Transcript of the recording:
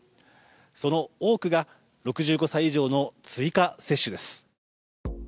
その多くが６５歳以上の追加接種です。